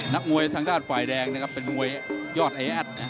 นักมวยทางด้านฝ่ายแดงนะครับเป็นมวยยอดไออัด